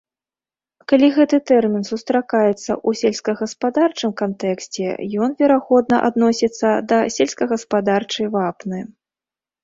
Калі гэты тэрмін сустракаецца ў сельскагаспадарчым кантэксце, ён, верагодна, адносіцца да сельскагаспадарчай вапны.